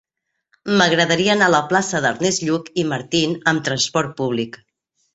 M'agradaria anar a la plaça d'Ernest Lluch i Martín amb trasport públic.